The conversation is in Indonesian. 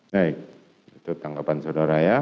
baik itu tanggapan saudara ya